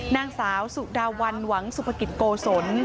นางสาวสุดาวันหวังสุภกิจโกศล